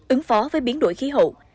ứng phó với biến đổi khí hậu